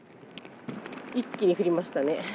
一気に降りましたね。